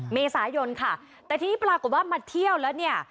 เมษายนค่ะแต่ทีนี้ปรากฏว่ามาเที่ยวแล้วเนี่ย